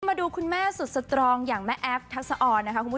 มาดูคุณแม่สุดสตรองอย่างแม่แอฟทักษะออนนะคะคุณผู้ชม